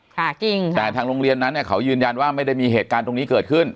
ค่ะจริงแต่ทางโรงเรียนนั้นเนี่ยเขายืนยันว่าไม่ได้มีเหตุการณ์ตรงนี้เกิดขึ้น